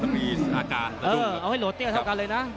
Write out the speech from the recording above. แล้วมีอาการตะดุงครับ